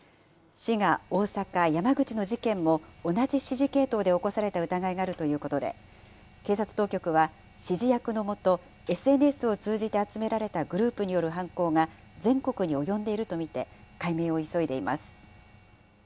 滋賀、大阪、山口の事件も同じ指示系統で起こされた疑いがあるということで、警察当局は、指示役のもと、ＳＮＳを通じて集められたグループによる犯行が全国に及んでいると見て、解明を急いでいます。